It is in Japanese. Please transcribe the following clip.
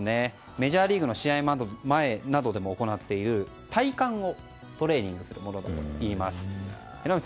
メジャーリーグの試合前などでも行っている体幹をトレーニングするものだといいます。